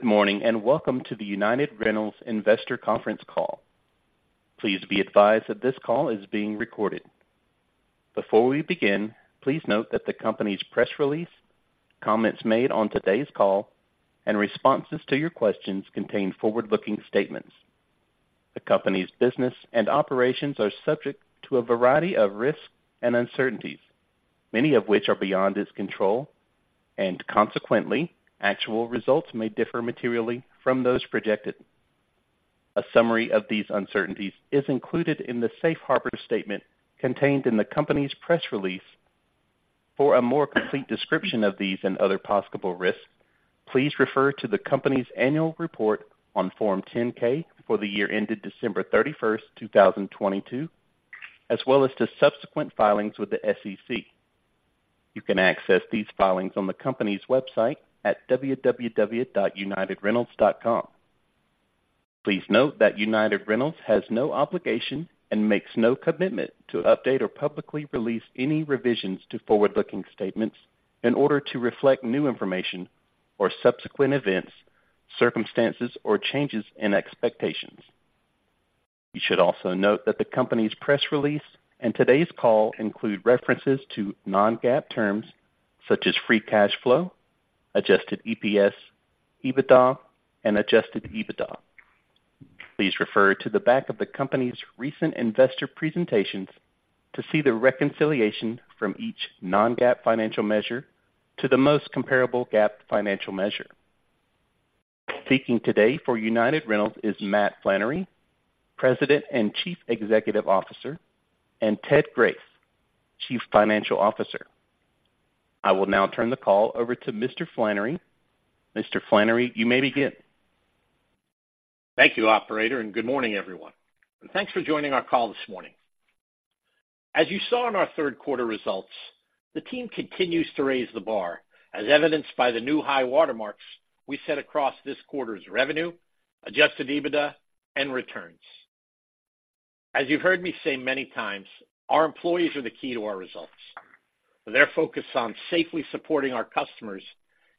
Good morning, and welcome to the United Rentals Investor Conference Call. Please be advised that this call is being recorded. Before we begin, please note that the company's press release, comments made on today's call, and responses to your questions contain forward-looking statements. The company's business and operations are subject to a variety of risks and uncertainties, many of which are beyond its control, and consequently, actual results may differ materially from those projected. A summary of these uncertainties is included in the safe harbor statement contained in the company's press release. For a more complete description of these and other possible risks, please refer to the company's annual report on Form 10-K for the year ended December 31, 2022, as well as to subsequent filings with the SEC. You can access these filings on the company's website at www.unitedrentals.com. Please note that United Rentals has no obligation and makes no commitment to update or publicly release any revisions to forward-looking statements in order to reflect new information or subsequent events, circumstances, or changes in expectations. You should also note that the company's press release and today's call include references to non-GAAP terms such as free cash flow, adjusted EPS, EBITDA, and adjusted EBITDA. Please refer to the back of the company's recent investor presentations to see the reconciliation from each non-GAAP financial measure to the most comparable GAAP financial measure. Speaking today for United Rentals is Matt Flannery, President and Chief Executive Officer, and Ted Grace, Chief Financial Officer. I will now turn the call over to Mr. Flannery. Mr. Flannery, you may begin. Thank you, operator, and good morning, everyone, and thanks for joining our call this morning. As you saw in our third quarter results, the team continues to raise the bar, as evidenced by the new high watermarks we set across this quarter's revenue, adjusted EBITDA, and returns. As you've heard me say many times, our employees are the key to our results. Their focus on safely supporting our customers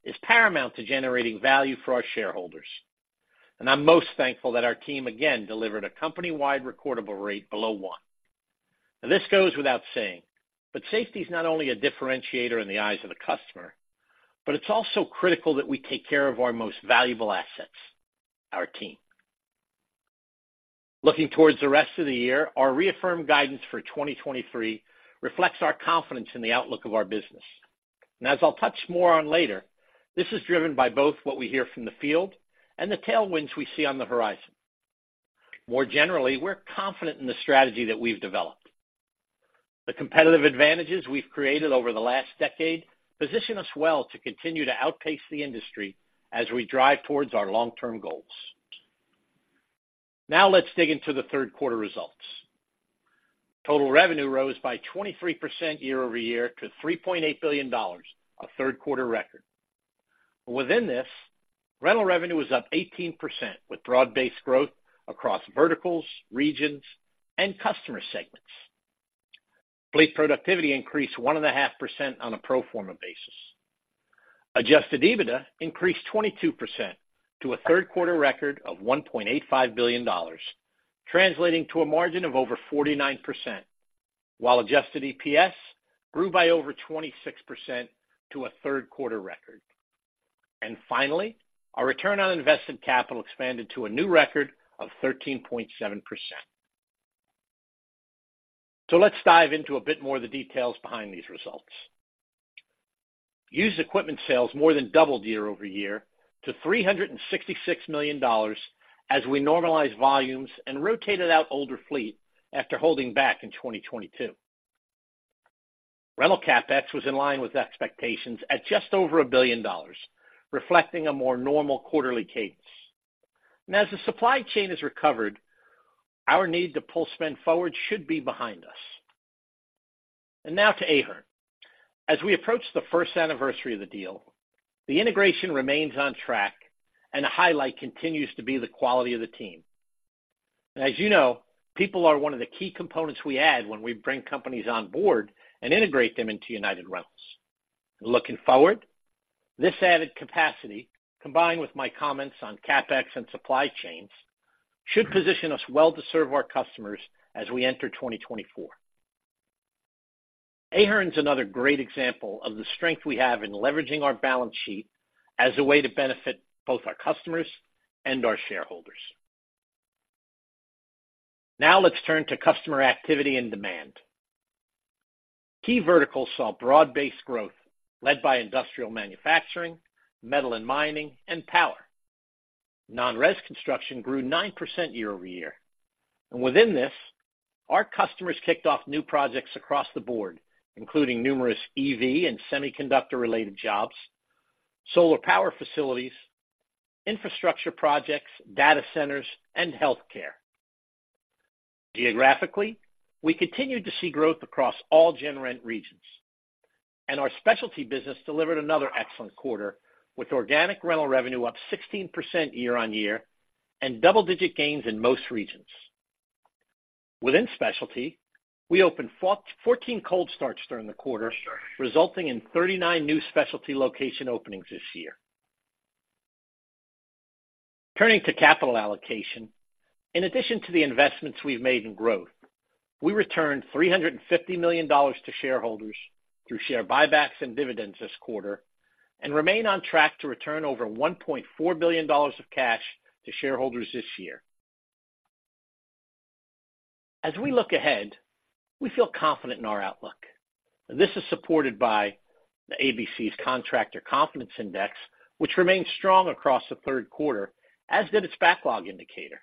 is paramount to generating value for our shareholders, and I'm most thankful that our team again delivered a company-wide recordable rate below one. This goes without saying, but safety is not only a differentiator in the eyes of the customer, but it's also critical that we take care of our most valuable assets, our team. Looking towards the rest of the year, our reaffirmed guidance for 2023 reflects our confidence in the outlook of our business. As I'll touch more on later, this is driven by both what we hear from the field and the tailwinds we see on the horizon. More generally, we're confident in the strategy that we've developed. The competitive advantages we've created over the last decade position us well to continue to outpace the industry as we drive towards our long-term goals. Now let's dig into the third quarter results. Total revenue rose by 23% year-over-year to $3.8 billion, a third-quarter record. Within this, rental revenue was up 18%, with broad-based growth across verticals, regions, and customer segments. Fleet productivity increased 1.5% on a pro forma basis. Adjusted EBITDA increased 22% to a third-quarter record of $1.85 billion, translating to a margin of over 49%, while adjusted EPS grew by over 26% to a third-quarter record. And finally, our return on invested capital expanded to a new record of 13.7%. So let's dive into a bit more of the details behind these results. Used equipment sales more than doubled year-over-year to $366 million as we normalized volumes and rotated out older fleet after holding back in 2022. Rental CapEx was in line with expectations at just over $1 billion, reflecting a more normal quarterly cadence and as the supply chain has recovered our need to pull spend forward is behind us. And now to Ahern. As we approach the first anniversary of the deal, the integration remains on track, and the highlight continues to be the quality of the team. As you know, people are one of the key components we add when we bring companies on board and integrate them into United Rentals. Looking forward, this added capacity, combined with my comments on CapEx and supply chains, should position us well to serve our customers as we enter 2024. Ahern is another great example of the strength we have in leveraging our balance sheet as a way to benefit both our customers and our shareholders. Now let's turn to customer activity and demand. Key verticals saw broad-based growth led by industrial manufacturing, metal and mining, and power. Non-res construction grew 9% year-over-year, and within this, our customers kicked off new projects across the board, including numerous EV and semiconductor-related jobs, solar power facilities, infrastructure projects, data centers, and healthcare. Geographically, we continued to see growth across all Gen Rent regions, and our specialty business delivered another excellent quarter, with organic rental revenue up 16% year-over-year and double-digit gains in most regions. Within specialty, we opened 14 cold starts during the quarter, resulting in 39 new specialty location openings this year. Turning to capital allocation, in addition to the investments we've made in growth, we returned $350 million to shareholders through share buybacks and dividends this quarter, and remain on track to return over $1.4 billion of cash to shareholders this year. As we look ahead, we feel confident in our outlook. This is supported by the ABC's Construction Confidence Index, which remained strong across the third quarter, as did its Construction Backlog Indicator.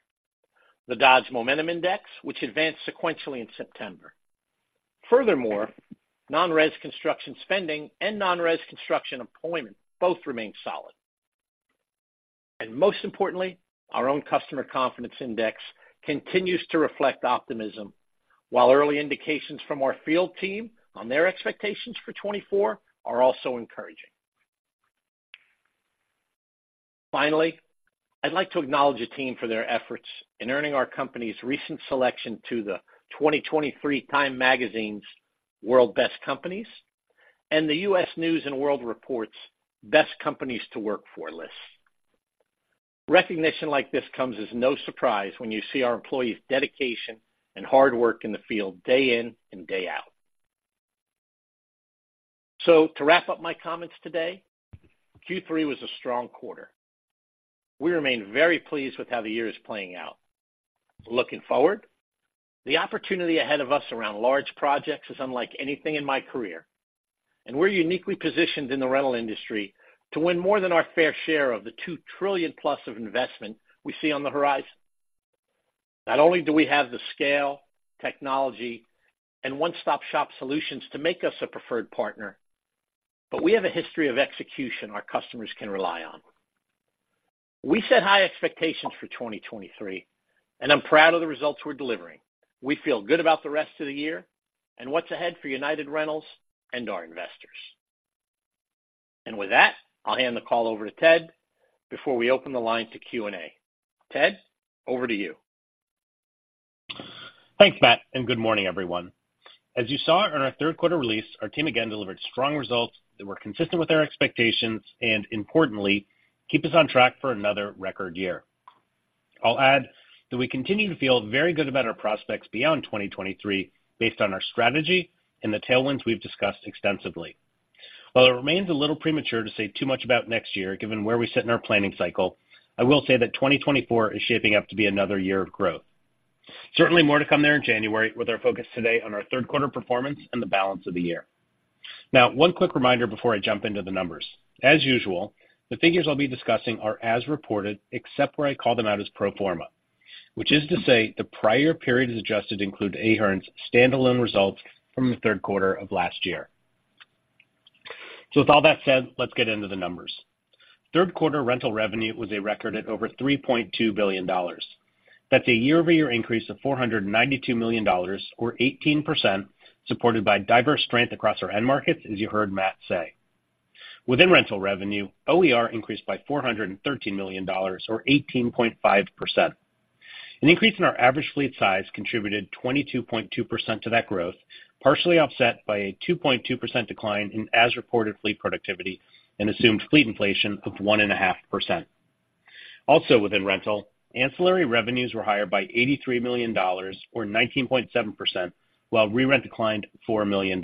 The Dodge Momentum Index, which advanced sequentially in September. Furthermore, non-res construction spending and non-res construction employment both remain solid. And most importantly, our own customer confidence index continues to reflect optimism, while early indications from our field team on their expectations for 2024 are also encouraging. Finally, I'd like to acknowledge the team for their efforts in earning our company's recent selection to the 2023 Time Magazine's World's Best Companies and the US News and World Report's Best Companies to Work For list. Recognition like this comes as no surprise when you see our employees' dedication and hard work in the field, day in and day out. To wrap up my comments today, Q3 was a strong quarter. We remain very pleased with how the year is playing out. Looking forward, the opportunity ahead of us around large projects is unlike anything in my career, and we're uniquely positioned in the rental industry to win more than our fair share of the $2 trillion plus of investment we see on the horizon. Not only do we have the scale, technology, and one-stop-shop solutions to make us a preferred partner, but we have a history of execution our customers can rely on. We set high expectations for 2023, and I'm proud of the results we're delivering. We feel good about the rest of the year and what's ahead for United Rentals and our investors. With that, I'll hand the call over to Ted before we open the line to Q&A. Ted, over to you. Thanks, Matt, and good morning, everyone. As you saw in our third quarter release, our team again delivered strong results that were consistent with our expectations and importantly, keep us on track for another record year. I'll add that we continue to feel very good about our prospects beyond 2023, based on our strategy and the tailwinds we've discussed extensively. While it remains a little premature to say too much about next year, given where we sit in our planning cycle, I will say that 2024 is shaping up to be another year of growth. Certainly more to come there in January, with our focus today on our third quarter performance and the balance of the year. Now, one quick reminder before I jump into the numbers. As usual, the figures I'll be discussing are as reported, except where I call them out as pro forma, which is to say, the prior period is adjusted to include Ahern's standalone results from the third quarter of last year. With all that said, let's get into the numbers. Third quarter rental revenue was a record at over $3.2 billion. That's a year-over-year increase of $492 million, or 18%, supported by diverse strength across our end markets, as you heard Matt say. Within rental revenue, OER increased by $413 million, or 18.5%. An increase in our average fleet size contributed 22.2% to that growth, partially offset by a 2.2% decline in as-reported fleet productivity and assumed fleet inflation of 1.5%. Also within rental, ancillary revenues were higher by $83 million, or 19.7%, while re-rent declined $4 million.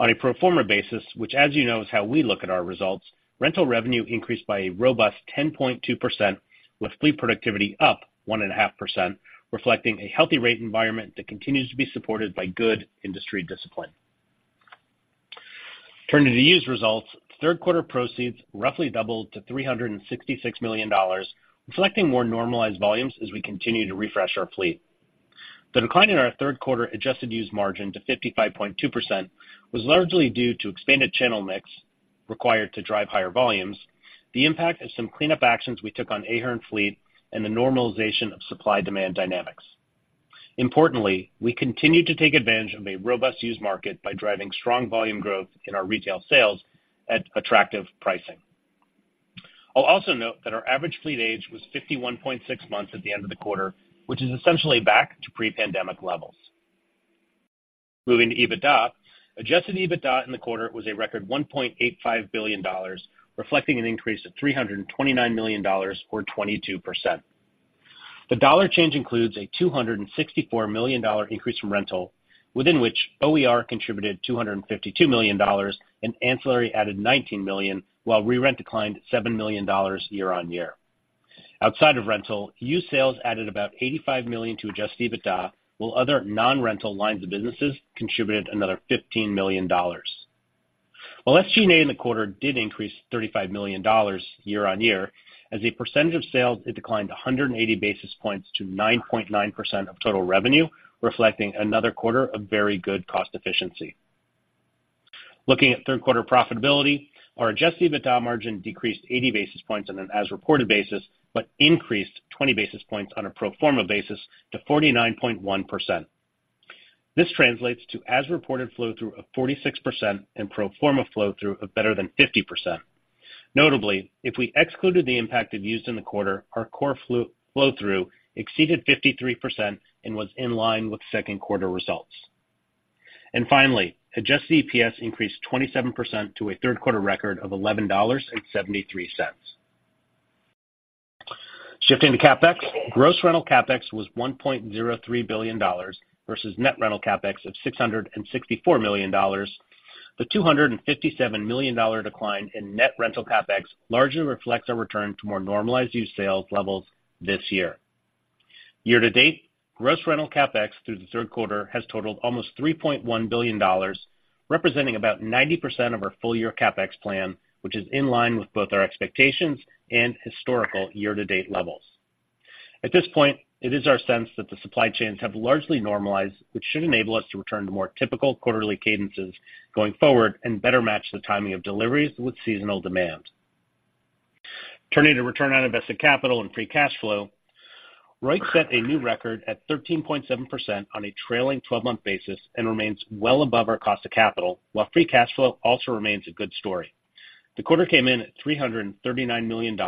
On a pro forma basis, which, as you know, is how we look at our results, rental revenue increased by a robust 10.2%, with fleet productivity up 1.5%, reflecting a healthy rate environment that continues to be supported by good industry discipline. Turning to the used results, third quarter proceeds roughly doubled to $366 million, reflecting more normalized volumes as we continue to refresh our fleet. The decline in our third quarter adjusted used margin to 55.2% was largely due to expanded channel mix required to drive higher volumes, the impact of some cleanup actions we took on Ahern fleet, and the normalization of supply-demand dynamics. Importantly, we continued to take advantage of a robust used market by driving strong volume growth in our retail sales at attractive pricing. I'll also note that our average fleet age was 51.6 months at the end of the quarter, which is essentially back to pre-pandemic levels. Moving to EBITDA. Adjusted EBITDA in the quarter was a record $1.85 billion, reflecting an increase of $329 million, or 22%. The dollar change includes a $264 million increase in rental, within which OER contributed $252 million and ancillary added $19 million, while re-rent declined $7 million year-on-year. Outside of rental, used sales added about $85 million to adjusted EBITDA, while other non-rental lines of businesses contributed another $15 million. While SG&A in the quarter did increase $35 million year-on-year, as a percentage of sales, it declined 180 basis points to 9.9% of total revenue, reflecting another quarter of very good cost efficiency. Looking at third quarter profitability, our adjusted EBITDA margin decreased 80 basis points on an as-reported basis, but increased 20 basis points on a pro forma basis to 49.1%. This translates to as-reported flow-through of 46% and pro forma flow-through of better than 50%. Notably, if we excluded the impact of used in the quarter, our core flow-through exceeded 53% and was in line with second quarter results. And finally, adjusted EPS increased 27% to a third quarter record of $11.73. Shifting to CapEx, gross rental CapEx was $1.03 billion versus net rental CapEx of $664 million. The $257 million dollar decline in net rental CapEx largely reflects our return to more normalized used sales levels this year. Year to date, gross rental CapEx through the third quarter has totaled almost $3.1 billion, representing about 90% of our full-year CapEx plan, which is in line with both our expectations and historical year-to-date levels. At this point, it is our sense that the supply chains have largely normalized, which should enable us to return to more typical quarterly cadences going forward and better match the timing of deliveries with seasonal demand. Turning to return on invested capital and free cash flow, ROIC set a new record at 13.7% on a trailing twelve-month basis and remains well above our cost of capital, while free cash flow also remains a good story. The quarter came in at $339 million,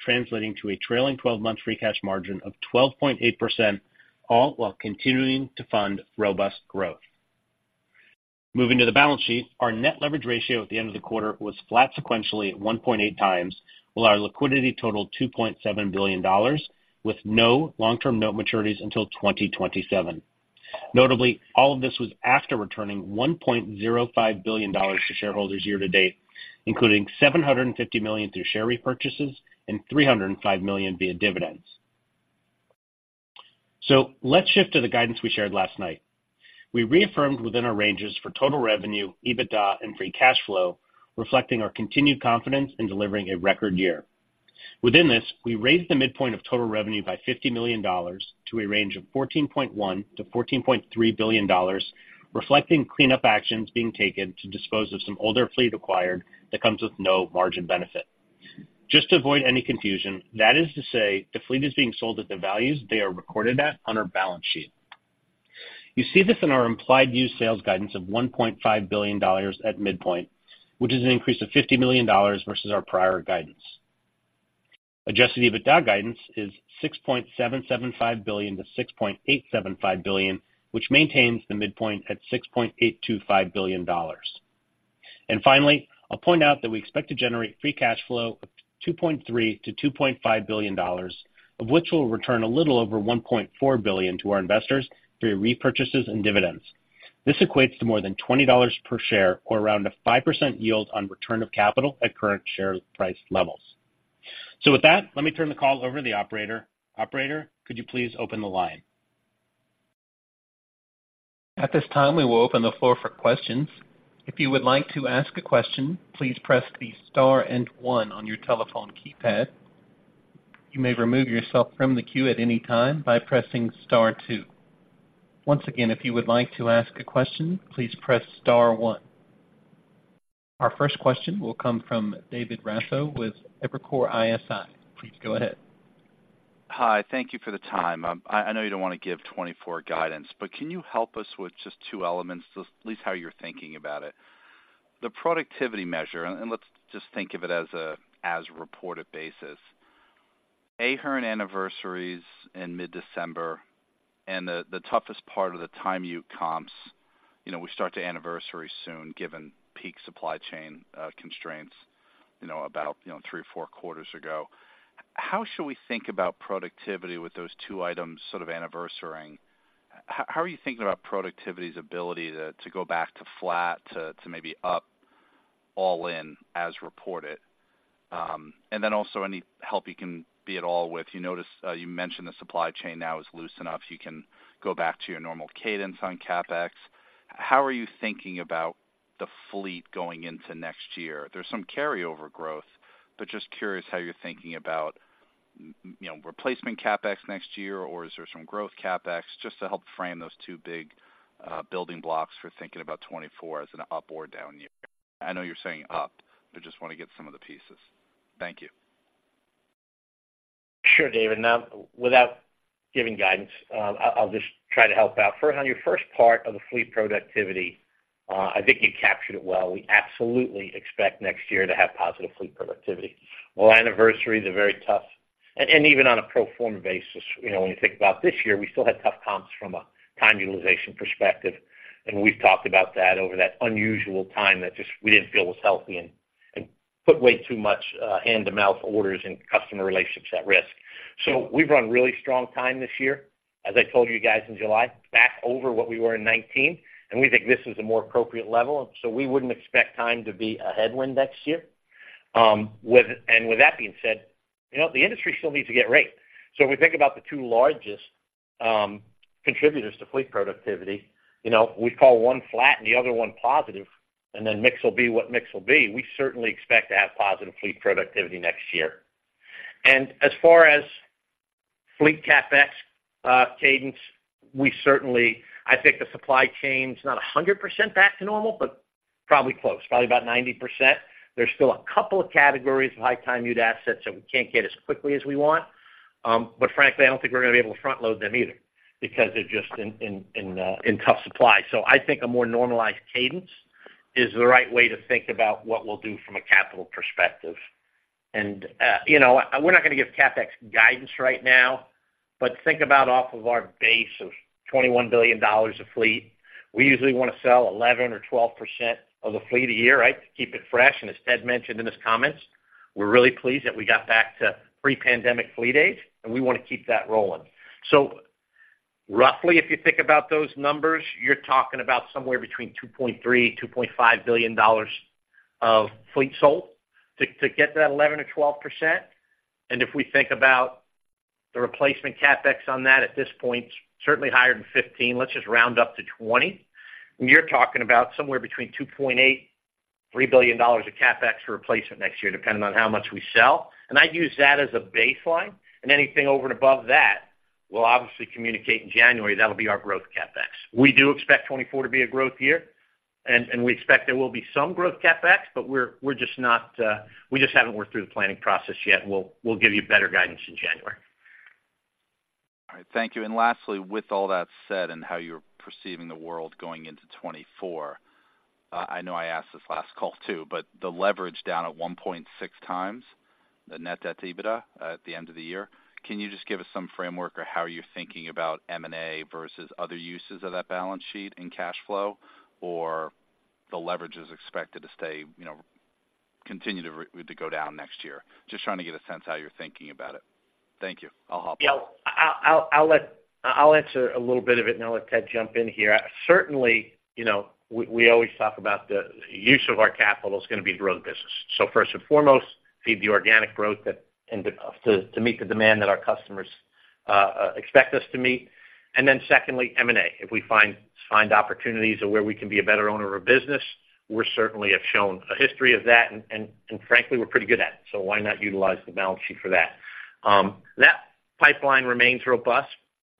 translating to a trailing twelve-month free cash margin of 12.8%, all while continuing to fund robust growth. Moving to the balance sheet, our net leverage ratio at the end of the quarter was flat sequentially at 1.8 times, while our liquidity totaled $2.7 billion, with no long-term note maturities until 2027. Notably, all of this was after returning $1.05 billion to shareholders year to date, including $750 million through share repurchases and $305 million via dividends. So let's shift to the guidance we shared last night. We reaffirmed within our ranges for total revenue, EBITDA, and Free Cash Flow, reflecting our continued confidence in delivering a record year. Within this, we raised the midpoint of total revenue by $50 million to a range of $14.1 billion-$14.3 billion, reflecting cleanup actions being taken to dispose of some older fleet acquired that comes with no margin benefit. Just to avoid any confusion, that is to say, the fleet is being sold at the values they are recorded at on our balance sheet. You see this in our implied used sales guidance of $1.5 billion at midpoint, which is an increase of $50 million versus our prior guidance. Adjusted EBITDA guidance is $6.775 billion-$6.875 billion, which maintains the midpoint at $6.825 billion. And finally, I'll point out that we expect to generate free cash flow of $2.3 billion-$2.5 billion, of which we'll return a little over $1.4 billion to our investors through repurchases and dividends. This equates to more than $20 per share or around a 5% yield on return of capital at current share price levels. So with that, let me turn the call over to the operator. Operator, could you please open the line? At this time, we will open the floor for questions. If you would like to ask a question, please press the star and one on your telephone keypad. You may remove yourself from the queue at any time by pressing star two. Once again, if you would like to ask a question, please press star one. Our first question will come from David Raso with Evercore ISI. Please go ahead. Hi, thank you for the time. I know you don't want to give 2024 guidance, but can you help us with just two elements, just at least how you're thinking about it? The productivity measure, and let's just think of it as a as-reported basis. Ahern anniversaries in mid-December and the toughest part of the Time U comps, you know, we start to anniversary soon, given peak supply chain constraints, you know, about, you know, three or four quarters ago. How should we think about productivity with those two items sort of anniversaring? How are you thinking about productivity's ability to go back to flat, to maybe up all in, as reported? And then also, any help you can be at all with... You noticed, you mentioned the supply chain now is loose enough, you can go back to your normal cadence on CapEx. How are you thinking about the fleet going into next year? There's some carryover growth, but just curious how you're thinking about, you know, replacement CapEx next year, or is there some growth CapEx? Just to help frame those two big building blocks for thinking about 2024 as an up or down year. I know you're saying up, but just want to get some of the pieces. Thank you. Sure, David. Now, without giving guidance, I'll just try to help out. First, on your first part of the fleet productivity, I think you captured it well. We absolutely expect next year to have positive fleet productivity. While anniversaries are very tough, and even on a pro forma basis, you know, when you think about this year, we still had tough comps from a time utilization perspective, and we've talked about that over that unusual time that just we didn't feel was healthy and put way too much hand-to-mouth orders and customer relationships at risk. So we've run really strong time this year, as I told you guys in July, back over what we were in 2019, and we think this is a more appropriate level, and so we wouldn't expect time to be a headwind next year. And with that being said, you know, the industry still needs to get rate. So we think about the two largest contributors to fleet productivity, you know, we call one flat and the other one positive, and then mix will be what mix will be. We certainly expect to have positive fleet productivity next year. And as far as fleet CapEx cadence, we certainly... I think the supply chain's not 100% back to normal, but-... probably close, probably about 90%. There's still a couple of categories of high time unit assets that we can't get as quickly as we want. But frankly, I don't think we're gonna be able to front-load them either because they're just in tough supply. So I think a more normalized cadence is the right way to think about what we'll do from a capital perspective. And, you know, we're not gonna give CapEx guidance right now, but think about off of our base of $21 billion of fleet. We usually want to sell 11% or 12% of the fleet a year, right? To keep it fresh. And as Ted mentioned in his comments, we're really pleased that we got back to pre-pandemic fleet days, and we want to keep that rolling. So roughly, if you think about those numbers, you're talking about somewhere between $2.3 billion-$2.5 billion of fleet sold to get that 11%-12%. And if we think about the replacement CapEx on that, at this point, certainly higher than 15%. Let's just round up to 20%, and you're talking about somewhere between $2.8 billion-$3 billion of CapEx for replacement next year, depending on how much we sell. And I'd use that as a baseline, and anything over and above that, we'll obviously communicate in January. That'll be our growth CapEx. We do expect 2024 to be a growth year, and we expect there will be some growth CapEx, but we're just not, we just haven't worked through the planning process yet. We'll give you better guidance in January. All right. Thank you. And lastly, with all that said and how you're perceiving the world going into 2024, I know I asked this last call, too, but the leverage down at 1.6x, the net debt to EBITDA at the end of the year. Can you just give us some framework or how you're thinking about M&A versus other uses of that balance sheet and cash flow, or the leverage is expected to stay, you know, continue to go down next year? Just trying to get a sense how you're thinking about it. Thank you. I'll hop off. Yeah. I'll answer a little bit of it, and I'll let Ted jump in here. Certainly, you know, we always talk about the use of our capital is gonna be growth business. So first and foremost, feed the organic growth that and to meet the demand that our customers expect us to meet. And then secondly, M&A. If we find opportunities where we can be a better owner of a business, we certainly have shown a history of that, and frankly, we're pretty good at it, so why not utilize the balance sheet for that? That pipeline remains robust,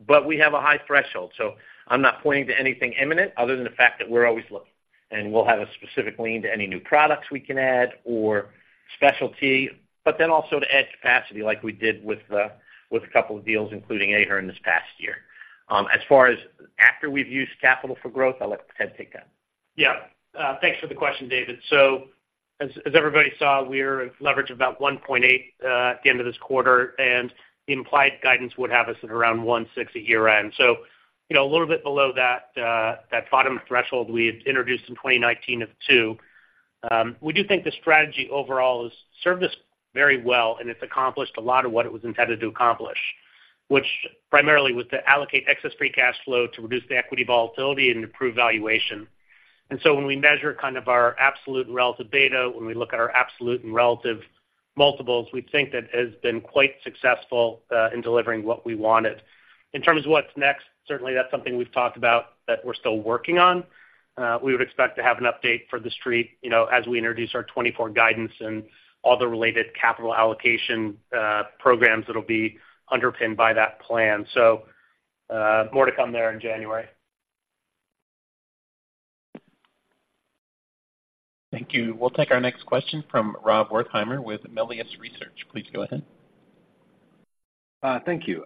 but we have a high threshold, so I'm not pointing to anything imminent other than the fact that we're always looking, and we'll have a specific lean to any new products we can add or specialty, but then also to add capacity like we did with a couple of deals, including Ahern this past year. As far as after we've used capital for growth, I'll let Ted take that. Yeah. Thanks for the question, David. So as everybody saw, we're leveraged about 1.8 at the end of this quarter, and the implied guidance would have us at around 1.6 at year-end. So, you know, a little bit below that, that bottom threshold we had introduced in 2019 of two. We do think the strategy overall has served us very well, and it's accomplished a lot of what it was intended to accomplish, which primarily was to allocate excess free cash flow to reduce the equity volatility and improve valuation. And so when we measure kind of our absolute and relative beta, when we look at our absolute and relative multiples, we think that it has been quite successful in delivering what we wanted. In terms of what's next, certainly that's something we've talked about that we're still working on. We would expect to have an update for the street, you know, as we introduce our 2024 guidance and all the related capital allocation programs that'll be underpinned by that plan. So, more to come there in January. Thank you. We'll take our next question from Rob Wertheimer with Melius Research. Please go ahead. Thank you.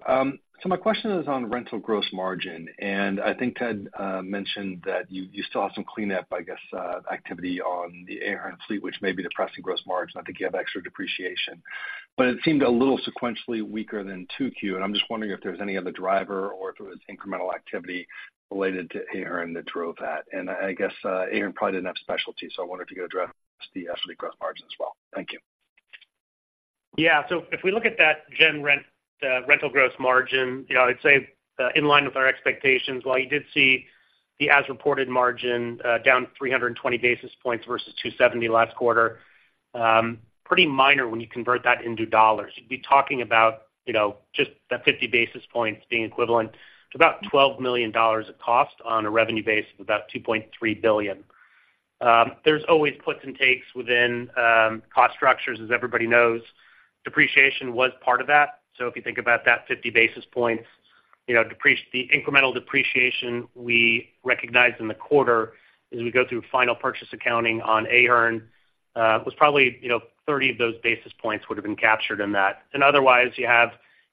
So my question is on rental gross margin, and I think Ted mentioned that you, you still have some cleanup, I guess, activity on the Ahern fleet, which may be depressing gross margin. I think you have extra depreciation. But it seemed a little sequentially weaker than 2Q, and I'm just wondering if there was any other driver or if it was incremental activity related to Ahern that drove that. And I guess, Ahern probably didn't have specialty, so I wondered if you could address the fleet gross margin as well. Thank you. Yeah. So if we look at that Gen Rent rental gross margin, you know, I'd say in line with our expectations. While you did see the as-reported margin down 320 basis points versus 270 last quarter, pretty minor when you convert that into dollars. You'd be talking about, you know, just that 50 basis points being equivalent to about $12 million of cost on a revenue base of about $2.3 billion. There's always puts and takes within cost structures, as everybody knows. Depreciation was part of that. So if you think about that 50 basis points, you know, the incremental depreciation we recognized in the quarter as we go through final purchase accounting on Ahern was probably, you know, 30 of those basis points would have been captured in that. Otherwise, you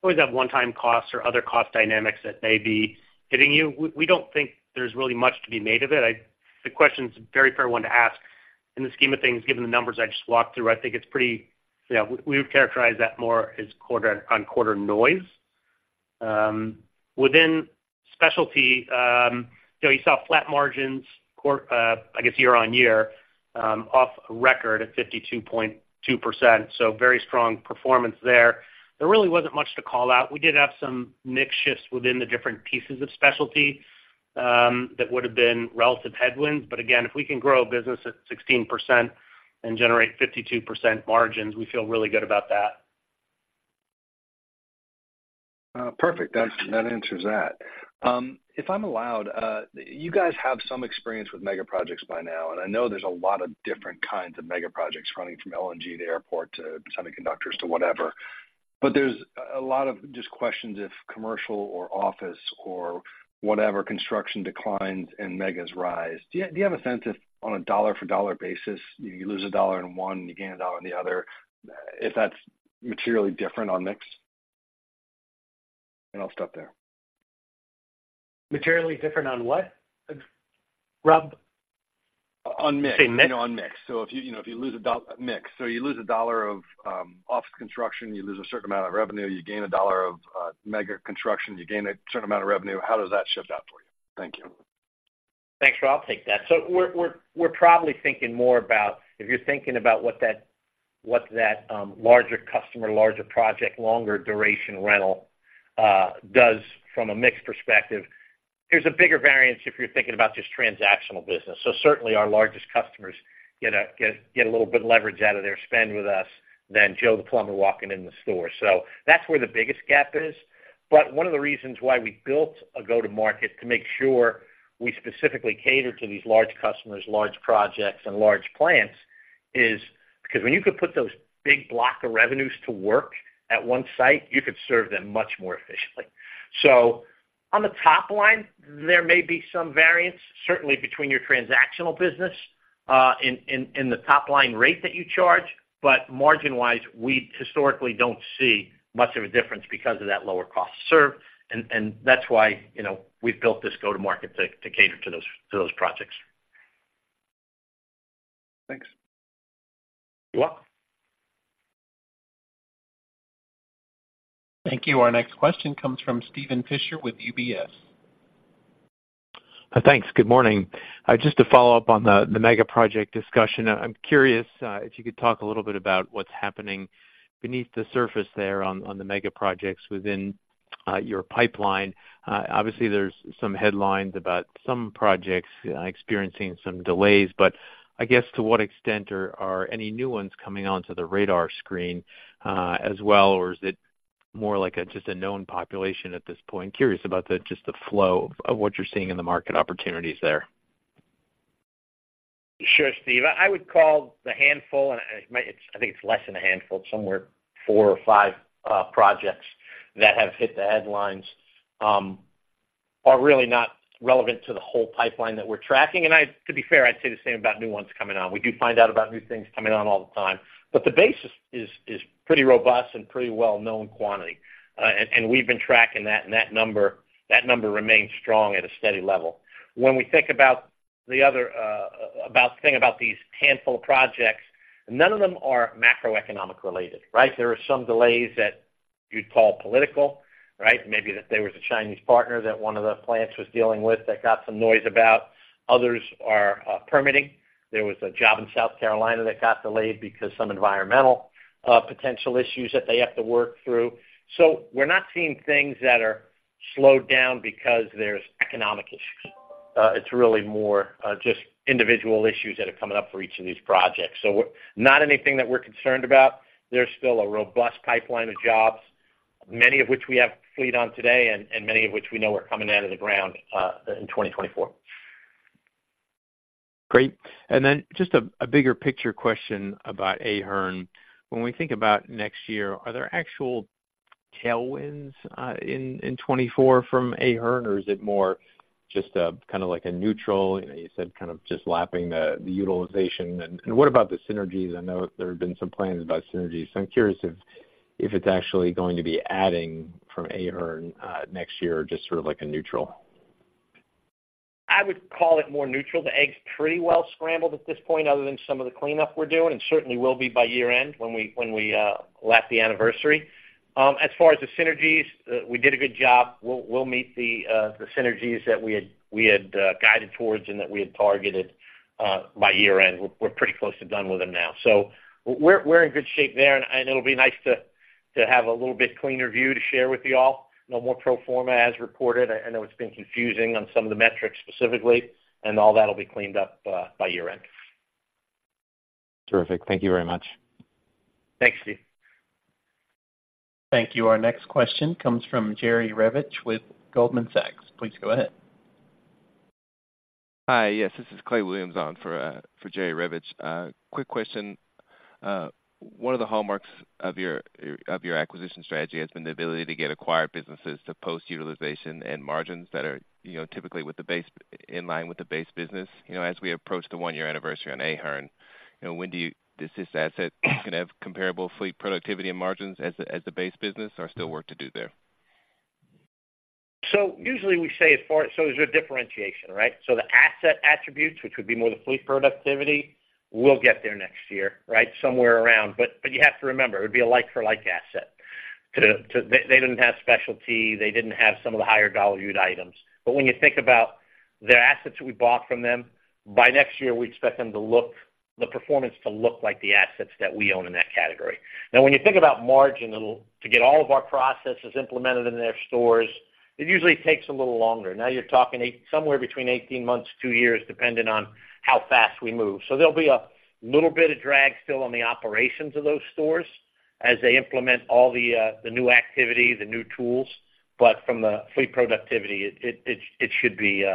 always have one-time costs or other cost dynamics that may be hitting you. We, we don't think there's really much to be made of it. I... the question's a very fair one to ask. In the scheme of things, given the numbers I just walked through, I think it's pretty, you know, we would characterize that more as quarter-on-quarter noise. Within specialty, you know, you saw flat margins, I guess, year-on-year, off record at 52.2%, so very strong performance there. There really wasn't much to call out. We did have some mix shifts within the different pieces of specialty, that would have been relative headwinds. But again, if we can grow a business at 16% and generate 52% margins, we feel really good about that. Perfect. That, that answers that. If I'm allowed, you guys have some experience with mega projects by now, and I know there's a lot of different kinds of mega projects running from LNG to airport to semiconductors to whatever.… But there's a lot of just questions if commercial or office or whatever construction declines and megas rise. Do you, do you have a sense if on a dollar-for-dollar basis, you lose a dollar in one, you gain a dollar in the other, if that's materially different on mix? And I'll stop there. Materially different on what, Rob? On mix. You say mix? On mix. So if you, you know, if you lose a dollar of office construction, you lose a certain amount of revenue, you gain a dollar of mega construction, you gain a certain amount of revenue. How does that shift out for you? Thank you. Thanks, Rob. I'll take that. So we're probably thinking more about if you're thinking about what that larger customer, larger project, longer duration rental does from a mix perspective, there's a bigger variance if you're thinking about just transactional business. So certainly, our largest customers get a little bit of leverage out of their spend with us than Joe the plumber walking in the store. So that's where the biggest gap is. But one of the reasons why we built a go-to-market to make sure we specifically cater to these large customers, large projects, and large plans, is because when you could put those big block of revenues to work at one site, you could serve them much more efficiently. So on the top line, there may be some variance, certainly between your transactional business, in the top line rate that you charge, but margin-wise, we historically don't see much of a difference because of that lower cost to serve, and that's why, you know, we've built this go-to-market to cater to those projects. Thanks. You're welcome. Thank you. Our next question comes from Steven Fisher with UBS. Thanks. Good morning. Just to follow up on the, the mega project discussion, I'm curious if you could talk a little bit about what's happening beneath the surface there on, on the mega projects within your pipeline. Obviously, there's some headlines about some projects experiencing some delays, but I guess to what extent are, are any new ones coming onto the radar screen as well? Or is it more like just a known population at this point? Curious about the, just the flow of what you're seeing in the market opportunities there. Sure, Steve. I would call the handful, and I think it's less than a handful, somewhere four or five projects that have hit the headlines are really not relevant to the whole pipeline that we're tracking. And to be fair, I'd say the same about new ones coming on. We do find out about new things coming on all the time, but the base is pretty robust and pretty well-known quantity. And we've been tracking that, and that number remains strong at a steady level. When we think about the other, about the thing about these handful of projects, none of them are macroeconomic related, right? There are some delays that you'd call political, right? Maybe that there was a Chinese partner that one of the plants was dealing with that got some noise about. Others are permitting. There was a job in South Carolina that got delayed because some environmental potential issues that they have to work through. So we're not seeing things that are slowed down because there's economic issues. It's really more just individual issues that are coming up for each of these projects. So we're not anything that we're concerned about. There's still a robust pipeline of jobs, many of which we have fleet on today and many of which we know are coming out of the ground in 2024. Great. And then just a bigger picture question about Ahern. When we think about next year, are there actual tailwinds in 2024 from Ahern, or is it more just a kind of like a neutral, you know, you said kind of just lapping the utilization? And what about the synergies? I know there have been some plans about synergies, so I'm curious if it's actually going to be adding from Ahern next year, or just sort of like a neutral. I would call it more neutral. The egg's pretty well scrambled at this point, other than some of the cleanup we're doing, and certainly will be by year-end when we lap the anniversary. As far as the synergies, we did a good job. We'll meet the synergies that we had guided towards and that we had targeted by year-end. We're pretty close to done with them now. So we're in good shape there, and it'll be nice to have a little bit cleaner view to share with you all. No more pro forma, as reported. I know it's been confusing on some of the metrics specifically, and all that'll be cleaned up by year-end. Terrific. Thank you very much. Thanks, Steve. Thank you. Our next question comes from Jerry Revich with Goldman Sachs. Please go ahead. Hi, yes, this is Clay Williams on for, for Jerry Revich. Quick question. One of the hallmarks of your, of your acquisition strategy has been the ability to get acquired businesses to post utilization and margins that are, you know, typically with the base, in line with the base business. You know, as we approach the one-year anniversary on Ahern, you know, when do you- does this asset gonna have comparable fleet productivity and margins as the, as the base business, or still work to do there? So usually, we say as far as... So there's a differentiation, right? So the asset attributes, which would be more the fleet productivity, will get there next year, right? Somewhere around. But you have to remember, it would be a like-for-like asset. To—they didn't have specialty, they didn't have some of the higher dollar-yield items. But when you think about the assets we bought from them, by next year, we expect them to look, the performance to look like the assets that we own in that category. Now, when you think about margin, it'll to get all of our processes implemented in their stores, it usually takes a little longer. Now you're talking eight—somewhere between 18 months to two years, depending on how fast we move. So there'll be a little bit of drag still on the operations of those stores as they implement all the, the new activity, the new tools, but from the fleet productivity, it should be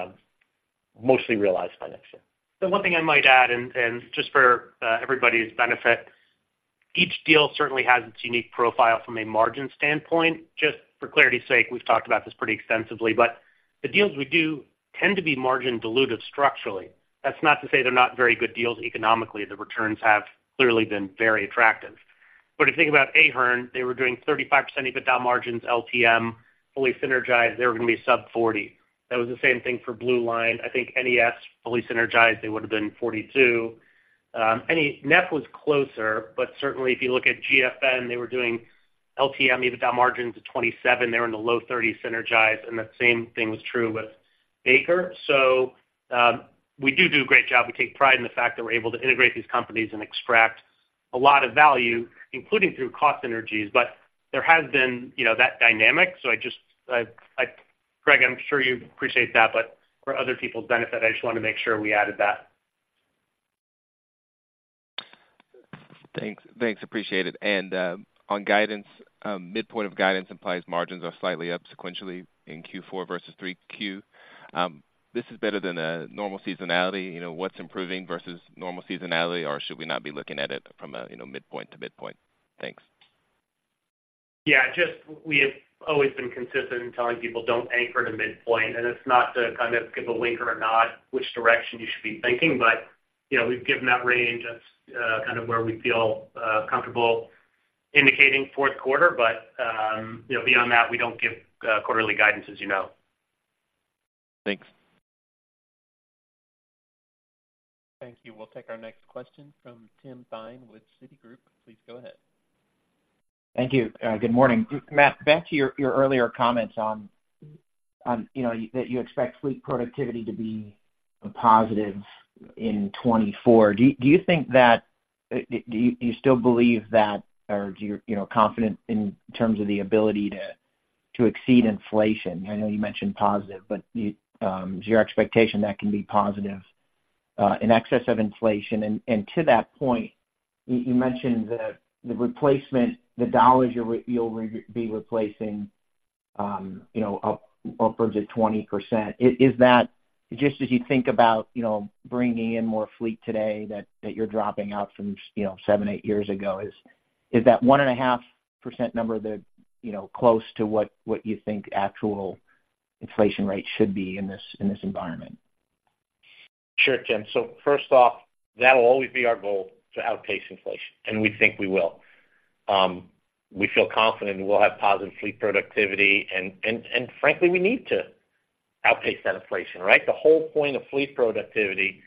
mostly realized by next year. The one thing I might add, and just for everybody's benefit, each deal certainly has its unique profile from a margin standpoint. Just for clarity's sake, we've talked about this pretty extensively, but the deals we do tend to be margin dilutive structurally. That's not to say they're not very good deals economically. The returns have clearly been very attractive. But if you think about Ahern, they were doing 35% EBITDA margins, LTM, fully synergized, they were going to be sub-40%. That was the same thing for BlueLine. I think NES, fully synergized, they would have been 42%. Neff was closer, but certainly, if you look at GFN, they were doing LTM, EBITDA margins of 27%. They were in the low 30s, synergized, and the same thing was true with Baker. So, we do do a great job. We take pride in the fact that we're able to integrate these companies and extract a lot of value, including through cost synergies, but there has been, you know, that dynamic. So I just, Greg, I'm sure you appreciate that, but for other people's benefit, I just want to make sure we added that. Thanks. Thanks, appreciate it. On guidance, midpoint of guidance implies margins are slightly up sequentially in Q4 versus 3Q. This is better than a normal seasonality. You know, what's improving versus normal seasonality, or should we not be looking at it from a, you know, midpoint to midpoint? Thanks. Yeah, just we have always been consistent in telling people, "Don't anchor to midpoint." And it's not to kind of give a wink or a nod which direction you should be thinking, but, you know, we've given that range. That's kind of where we feel comfortable indicating fourth quarter. But, you know, beyond that, we don't give quarterly guidance, as you know. Thanks. Thank you. We'll take our next question from Tim Thein with Citigroup. Please go ahead. Thank you. Good morning. Matt, back to your earlier comments on, you know, that you expect fleet productivity to be positive in 2024. Do you think that—do you still believe that, or do you, you know, confident in terms of the ability to exceed inflation? I know you mentioned positive, but is your expectation that can be positive in excess of inflation? And to that point, you mentioned the replacement, the dollars you'll be replacing, you know, upwards of 20%. Is that just as you think about, you know, bringing in more fleet today that you're dropping out from, you know, 7-8 years ago, is that 1.5% number the, you know, close to what you think actual inflation rate should be in this, in this environment? Sure, Tim. So first off, that'll always be our goal, to outpace inflation, and we think we will. We feel confident we'll have positive fleet productivity, and frankly, we need to outpace that inflation, right? The whole point of fleet productivity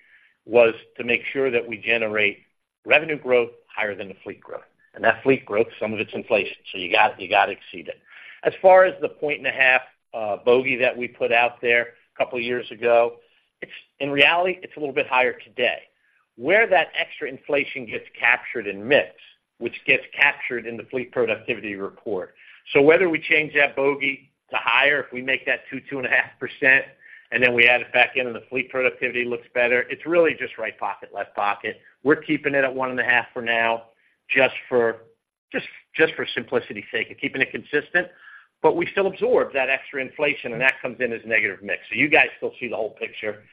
was to make sure that we generate revenue growth higher than the fleet growth. And that fleet growth, some of it's inflation, so you got to exceed it. As far as the 1.5-point bogey that we put out there a couple of years ago, it's, in reality, it's a little bit higher today. Where that extra inflation gets captured in mix, which gets captured in the fleet productivity report. So whether we change that bogey to higher, if we make that 2-2.5%, and then we add it back in and the fleet productivity looks better, it's really just right pocket, left pocket. We're keeping it at 1.5% for now, just for simplicity's sake and keeping it consistent. But we still absorb that extra inflation, and that comes in as negative mix. So you guys still see the whole picture,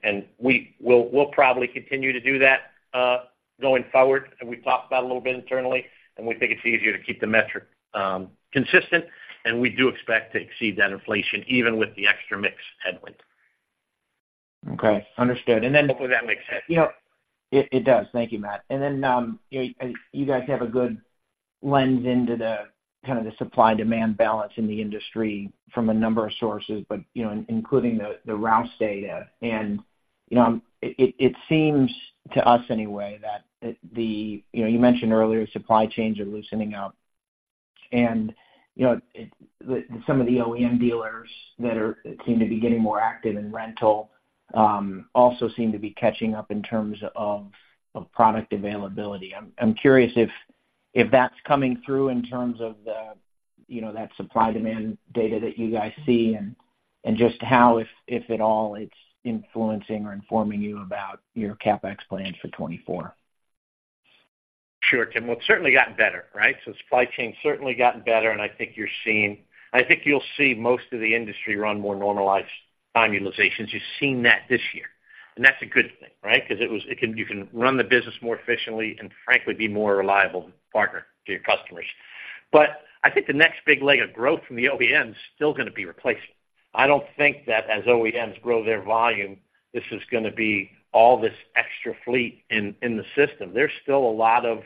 and we'll probably continue to do that, going forward, and we've talked about it a little bit internally, and we think it's easier to keep the metric consistent, and we do expect to exceed that inflation, even with the extra mix headwind. Okay, understood. Hopefully that makes sense. You know, it does. Thank you, Matt. And then, you know, you guys have a good lens into the kind of supply-demand balance in the industry from a number of sources, but, you know, including the Rouse data. And, you know, it seems to us anyway, that... You know, you mentioned earlier, supply chains are loosening up. And, you know, some of the OEM dealers that are seem to be getting more active in rental, also seem to be catching up in terms of product availability. I'm curious if that's coming through in terms of the, you know, that supply-demand data that you guys see, and just how, if at all, it's influencing or informing you about your CapEx plans for 2024. Sure, Tim. Well, it's certainly gotten better, right? So supply chain's certainly gotten better, and I think you're seeing, I think you'll see most of the industry run more normalized utilizations. You've seen that this year, and that's a good thing, right? Because you can run the business more efficiently and frankly, be a more reliable partner to your customers. But I think the next big leg of growth from the OEM is still going to be replacement. I don't think that as OEMs grow their volume, this is going to be all this extra fleet in, in the system. There's still a lot of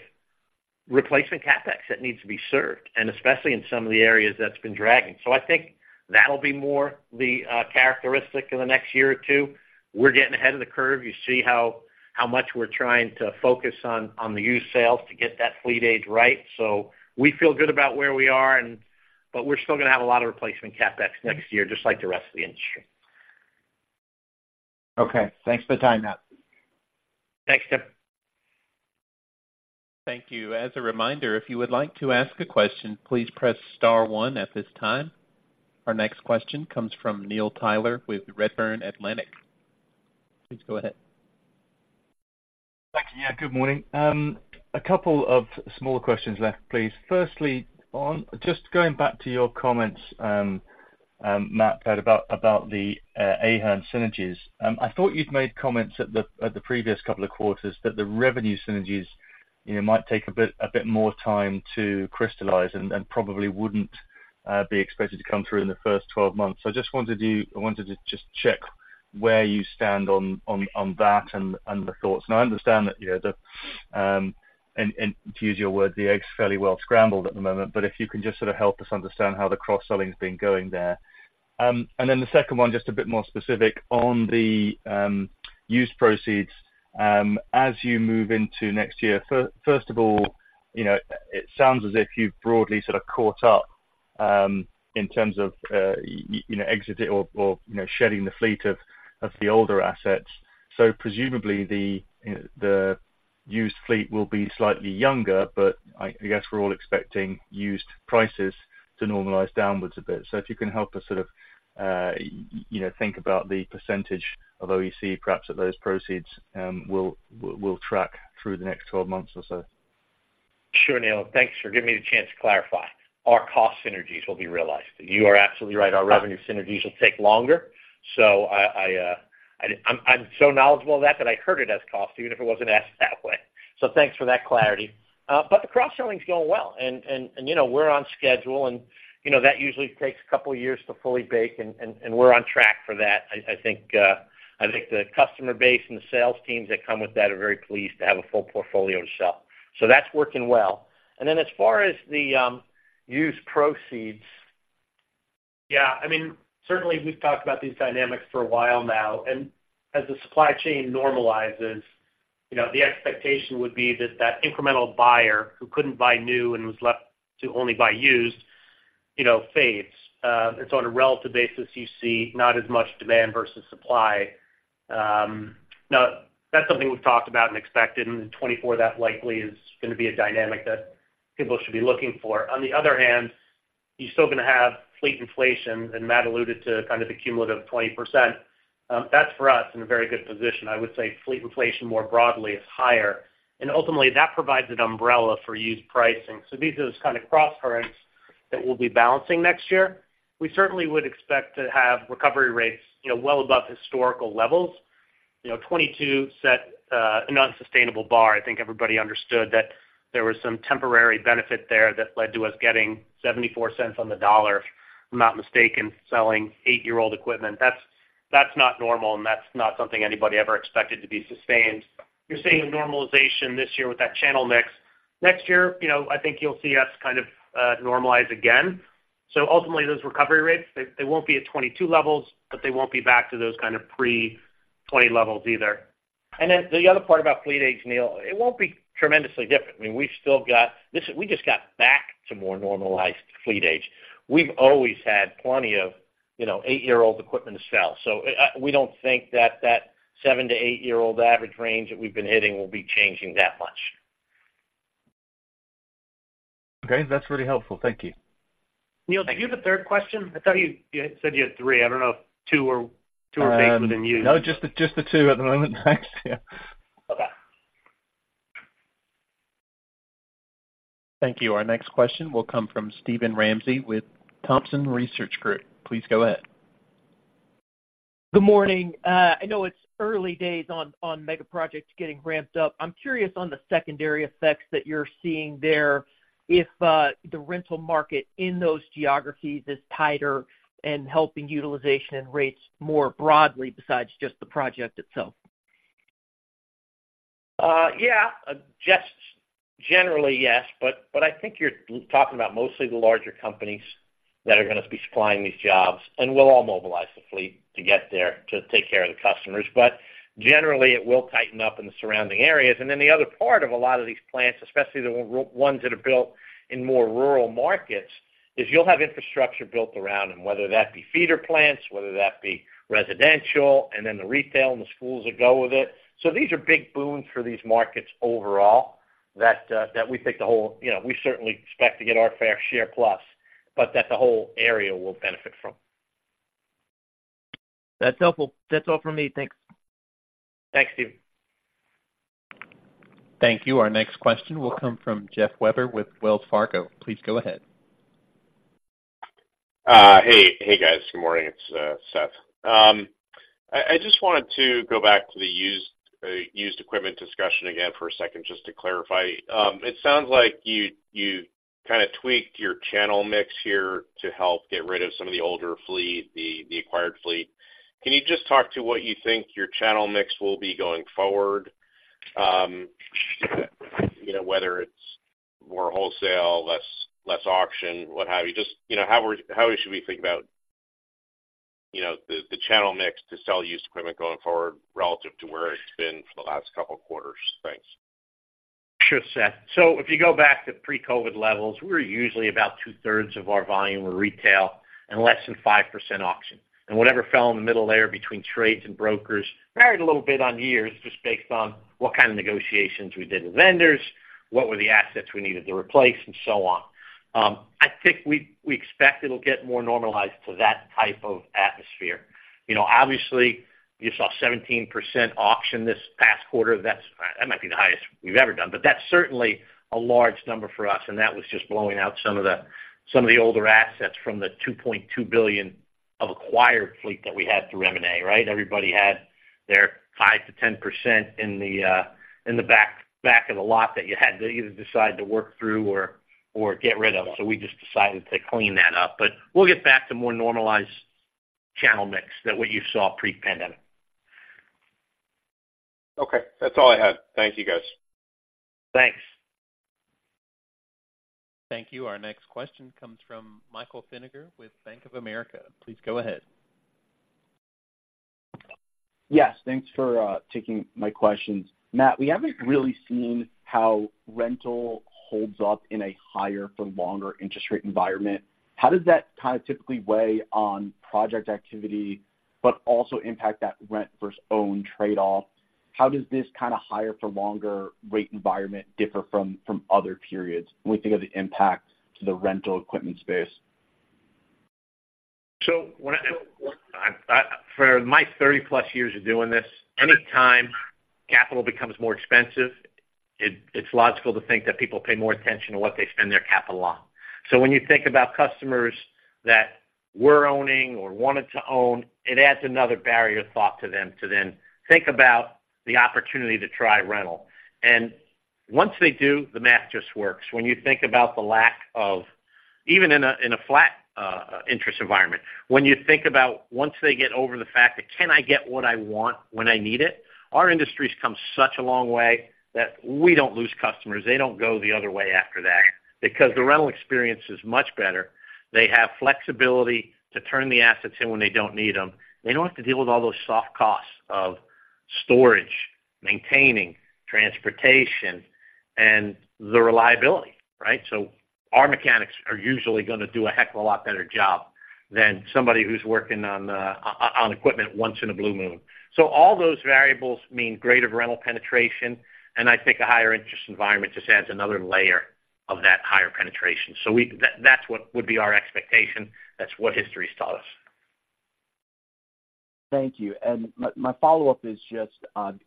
replacement CapEx that needs to be served, and especially in some of the areas that's been dragging. So I think that'll be more the, characteristic in the next year or two. We're getting ahead of the curve. You see how much we're trying to focus on the used sales to get that fleet age right. So we feel good about where we are, but we're still going to have a lot of replacement CapEx next year, just like the rest of the industry. Okay, thanks for the time, Matt. Thanks, Tim. Thank you. As a reminder, if you would like to ask a question, please press star one at this time. Our next question comes from Neil Tyler with Redburn Atlantic. Please go ahead. Yeah, good morning. A couple of smaller questions left, please. Firstly, on just going back to your comments, Matt, about the Ahern synergies. I thought you'd made comments at the previous couple of quarters that the revenue synergies, you know, might take a bit more time to crystallize and probably wouldn't be expected to come through in the first 12 months. So I just wanted you—I wanted to just check where you stand on that and the thoughts. And I understand that, you know, and to use your words, the egg's fairly well scrambled at the moment, but if you can just sort of help us understand how the cross-selling has been going there. And then the second one, just a bit more specific on the use proceeds, as you move into next year. First of all, you know, it sounds as if you've broadly sort of caught up, in terms of, you know, exiting or, you know, shedding the fleet of the older assets. So presumably the used fleet will be slightly younger, but I guess we're all expecting used prices to normalize downwards a bit. So if you can help us sort of, you know, think about the percentage of OEC, perhaps at those proceeds, we'll track through the next twelve months or so. Sure, Neil. Thanks for giving me the chance to clarify. Our cost synergies will be realized. You are absolutely right. Our revenue synergies will take longer, so I'm so knowledgeable of that, that I heard it as cost, even if it wasn't asked that way. So thanks for that clarity. But the cross-selling is going well, and, you know, we're on schedule, and, you know, that usually takes a couple of years to fully bake, and we're on track for that. I think the customer base and the sales teams that come with that are very pleased to have a full portfolio to sell. So that's working well. And then as far as the use proceeds, yeah, I mean, certainly we've talked about these dynamics for a while now, and as the supply chain normalizes, you know, the expectation would be that, that incremental buyer who couldn't buy new and was left to only buy used, you know, fades. And so on a relative basis, you see not as much demand versus supply. Now that's something we've talked about and expected, and in 2024, that likely is going to be a dynamic that people should be looking for. On the other hand, you're still going to have fleet inflation, and Matt alluded to kind of the cumulative 20%. That's, for us, in a very good position. I would say fleet inflation, more broadly, is higher, and ultimately that provides an umbrella for used pricing. So these are those kind of cross currents that we'll be balancing next year. We certainly would expect to have recovery rates, you know, well above historical levels. You know, 2022 set an unsustainable bar. I think everybody understood that there was some temporary benefit there that led to us getting $0.74 on the dollar, if I'm not mistaken, selling 8-year-old equipment. That's, that's not normal, and that's not something anybody ever expected to be sustained. You're seeing normalization this year with that channel mix. Next year, you know, I think you'll see us kind of normalize again. So ultimately, those recovery rates, they, they won't be at 2022 levels, but they won't be back to those kind of pre-20 levels either. And then the other part about fleet age, Neil, it won't be tremendously different. I mean, we've still got this; we just got back to more normalized fleet age. We've always had plenty of, you know, 8-year-old equipment to sell. So, we don't think that 7-8-year-old average range that we've been hitting will be changing that much. Okay, that's really helpful. Thank you. Neil, do you have a third question? I thought you, you said you had three. I don't know if two or two were baked within you. No, just the two at the moment. Thanks. Yeah. Okay. Thank you. Our next question will come from Steven Ramsey with Thompson Research Group. Please go ahead. Good morning. I know it's early days on megaprojects getting ramped up. I'm curious on the secondary effects that you're seeing there, if the rental market in those geographies is tighter and helping utilization and rates more broadly besides just the project itself. Yeah, just generally, yes, but I think you're talking about mostly the larger companies that are going to be supplying these jobs, and we'll all mobilize the fleet to get there to take care of the customers. But generally, it will tighten up in the surrounding areas. And then the other part of a lot of these plants, especially the ones that are built in more rural markets, is you'll have infrastructure built around them, whether that be feeder plants, whether that be residential, and then the retail and the schools that go with it. So these are big boons for these markets overall that we think the whole... You know, we certainly expect to get our fair share plus, but that the whole area will benefit from. That's helpful. That's all for me. Thanks. Thanks, Stephen. Thank you. Our next question will come from Seth Weber with Wells Fargo. Please go ahead. Hey, hey, guys. Good morning. It's Seth. I just wanted to go back to the used used equipment discussion again for a second, just to clarify. It sounds like you kind of tweaked your channel mix here to help get rid of some of the older fleet, the acquired fleet. Can you just talk to what you think your channel mix will be going forward? You know, whether it's more wholesale, less auction, what have you. Just, you know, how should we think about, you know, the channel mix to sell used equipment going forward relative to where it's been for the last couple of quarters? Thanks. Sure, Seth. So if you go back to pre-COVID levels, we're usually about two-thirds of our volume were retail and less than 5% auction. And whatever fell in the middle layer between trades and brokers varied a little bit on years just based on what kind of negotiations we did with vendors what were the assets we needed to replace and so on. I think we expect it'll get more normalized to that type of atmosphere. You know, obviously, you saw 17% auction this past quarter. That's that might be the highest we've ever done, but that's certainly a large number for us, and that was just blowing out some of the, some of the older assets from the $2.2 billion of acquired fleet that we had through M&A, right? Everybody had their 5%-10% in the back of the lot that you had to either decide to work through or get rid of. So we just decided to clean that up. But we'll get back to more normalized channel mix than what you saw pre-pandemic. Okay, that's all I had. Thank you, guys. Thanks. Thank you. Our next question comes from Michael Feniger with Bank of America. Please go ahead. Yes, thanks for taking my questions. Matt, we haven't really seen how rental holds up in a higher-for-longer interest rate environment. How does that kind of typically weigh on project activity, but also impact that rent versus own trade-off? How does this kind of higher-for-longer rate environment differ from other periods when we think of the impact to the rental equipment space? So when, for my thirty-plus years of doing this, anytime capital becomes more expensive, it, it's logical to think that people pay more attention to what they spend their capital on. So when you think about customers that were owning or wanted to own, it adds another barrier of thought to them to then think about the opportunity to try rental. And once they do, the math just works. When you think about the lack of... Even in a, in a flat, interest environment, when you think about once they get over the fact that, can I get what I want when I need it? Our industry's come such a long way that we don't lose customers. They don't go the other way after that, because the rental experience is much better. They have flexibility to turn the assets in when they don't need them. They don't have to deal with all those soft costs of storage, maintaining, transportation, and the reliability, right? So our mechanics are usually going to do a heck of a lot better job than somebody who's working on, on equipment once in a blue moon. So all those variables mean greater rental penetration, and I think a higher interest environment just adds another layer of that higher penetration. So that, that's what would be our expectation. That's what history has taught us. Thank you. And my follow-up is just,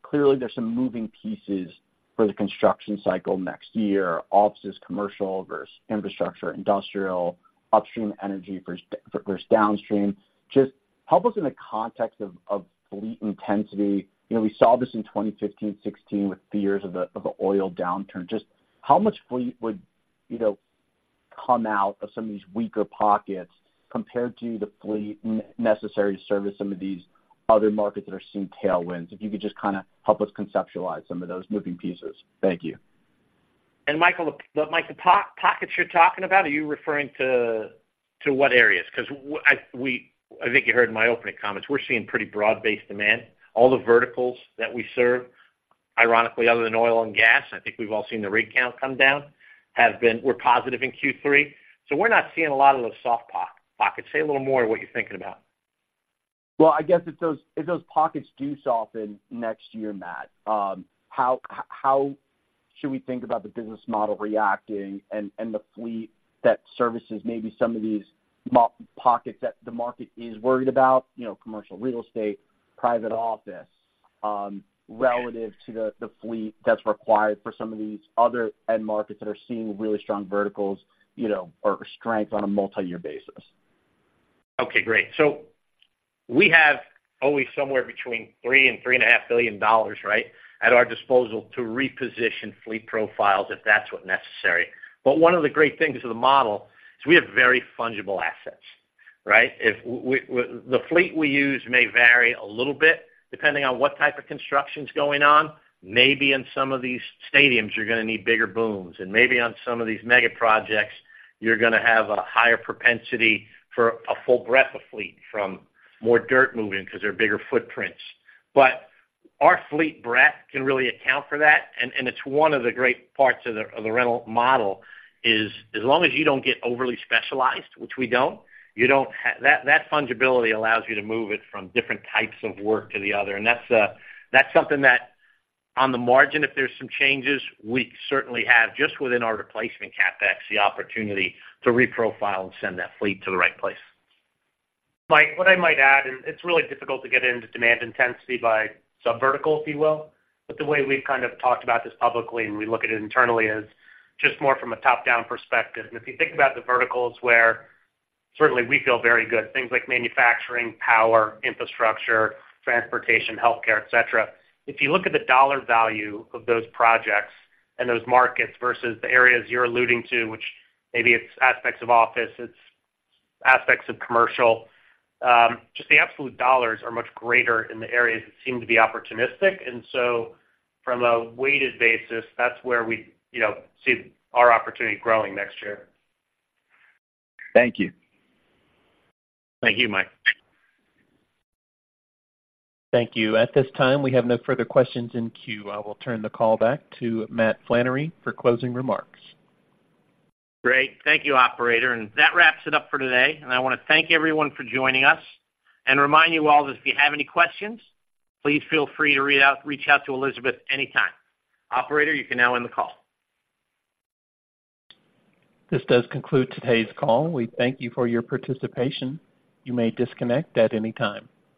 clearly, there's some moving pieces for the construction cycle next year, offices, commercial versus infrastructure, industrial, upstream energy versus downstream. Just help us in the context of fleet intensity. You know, we saw this in 2015, 2016 with fears of the oil downturn. Just how much fleet would you know come out of some of these weaker pockets compared to the fleet necessary to service some of these other markets that are seeing tailwinds? If you could just kind of help us conceptualize some of those moving pieces. Thank you. And Michael, Mike, the pockets you're talking about, are you referring to what areas? Because I, we—I think you heard in my opening comments, we're seeing pretty broad-based demand. All the verticals that we serve, ironically, other than oil and gas, I think we've all seen the rig count come down, have been, we're positive in Q3. So we're not seeing a lot of those soft pockets. Say a little more what you're thinking about. Well, I guess if those pockets do soften next year, Matt, how should we think about the business model reacting and the fleet that services maybe some of these more pockets that the market is worried about, you know, commercial real estate, private office, relative to the fleet that's required for some of these other end markets that are seeing really strong verticals, you know, or strength on a multi-year basis? Okay, great. So we have always somewhere between $3 billion and $3.5 billion, right, at our disposal to reposition fleet profiles, if that's what's necessary. But one of the great things of the model is we have very fungible assets, right? If we, the fleet we use may vary a little bit, depending on what type of construction is going on. Maybe in some of these stadiums, you're going to need bigger booms, and maybe on some of these mega projects, you're going to have a higher propensity for a full breadth of fleet from more dirt moving because they're bigger footprints. But our fleet breadth can really account for that, and it's one of the great parts of the rental model is, as long as you don't get overly specialized, which we don't, you don't that, that fungibility allows you to move it from different types of work to the other. And that's, that's something that, on the margin, if there's some changes, we certainly have, just within our replacement CapEx, the opportunity to reprofile and send that fleet to the right place. Mike, what I might add, and it's really difficult to get into demand intensity by sub vertical, if you will, but the way we've kind of talked about this publicly and we look at it internally is just more from a top-down perspective. And if you think about the verticals where certainly we feel very good, things like manufacturing, power, infrastructure, transportation, healthcare, et cetera. If you look at the dollar value of those projects and those markets versus the areas you're alluding to, which maybe it's aspects of office, it's aspects of commercial, just the absolute dollars are much greater in the areas that seem to be opportunistic. And so from a weighted basis, that's where we, you know, see our opportunity growing next year. Thank you. Thank you, Mike. Thank you. At this time, we have no further questions in queue. I will turn the call back to Matt Flannery for closing remarks. Great. Thank you, operator. And that wraps it up for today. And I want to thank everyone for joining us and remind you all that if you have any questions, please feel free to reach out to Elizabeth anytime. Operator, you can now end the call. This does conclude today's call. We thank you for your participation. You may disconnect at any time.